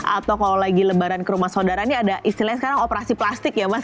atau kalau lagi lebaran ke rumah saudara ini ada istilahnya sekarang operasi plastik ya mas